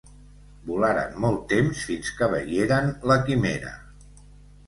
Volaren molt temps fins que veieren la Quimera.